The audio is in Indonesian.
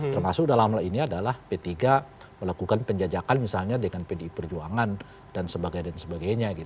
termasuk dalam hal ini adalah p tiga melakukan penjajakan misalnya dengan pdi perjuangan dan sebagainya